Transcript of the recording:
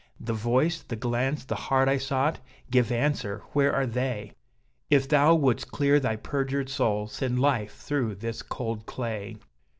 The voice, the glance, the heart I sought give answer, where are they? If thou wouldst clear thy perjured soul, send life through this cold clay!